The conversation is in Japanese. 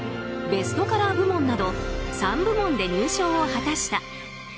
ベストカラー部門など３部門で入賞を果たした。